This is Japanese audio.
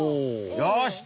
よし！